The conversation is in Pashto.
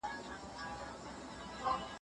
مڼه مې بوی کړه